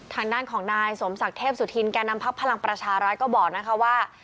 ทางด้านของนายสมศักดิ์เทพสุธินแก่นำพักพลังประชารัฐก็บอกนะคะว่า